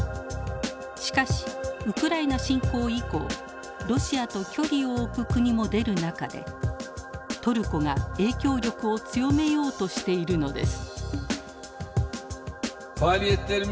しかしウクライナ侵攻以降ロシアと距離を置く国も出る中でトルコが影響力を強めようとしているのです。